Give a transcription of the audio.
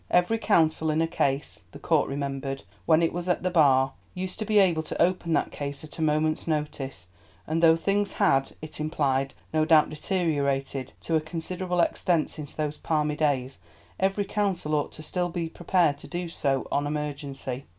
Every counsel in a case, the Court remembered, when It was at the Bar, used to be able to open that case at a moment's notice, and though things had, It implied, no doubt deteriorated to a considerable extent since those palmy days, every counsel ought still to be prepared to do so on emergency.